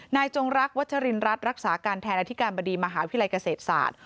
จงรักวัชรินรัฐรักษาการแทนอธิการบดีมหาวิทยาลัยเกษตรศาสตร์